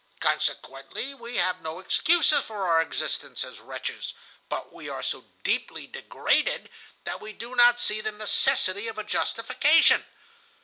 Consequently we have no excuses for our existence as wretches, but we are so deeply degraded that we do not see the necessity of a justification.